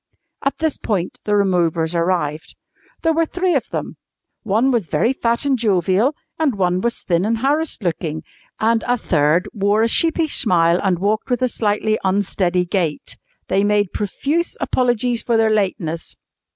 At this point the removers arrived. There were three of them. One was very fat and jovial, and one was thin and harassed looking, and a third wore a sheepish smile and walked with a slightly unsteady gait. They made profuse apologies for their lateness.